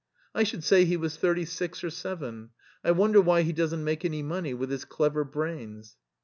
I should say he was thirty six or seven. I wonder why he doesn't make any money with his clever brains."